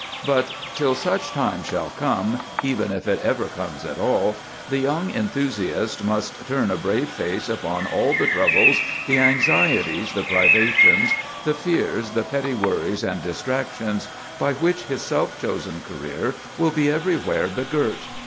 But till such time shall come, even if it ever comes at all, the young enthusiast must turn a brave face upon all the troubles, the anxieties, the privations, the fears, the petty worries and distractions, by which his self chosen career will be everywhere begirt.